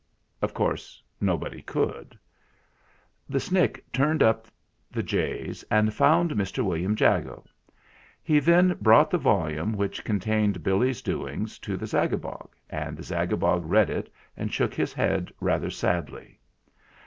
Of course nobody could. The Snick turned up the J's and found Mr. William Jago. He then brought the volume which contained Billy's doings to the Zagabog ; and the Zagabog read it and shook his head rather sadly.